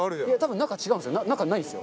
中ないんですよ。